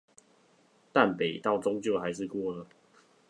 淡北道終究還是過了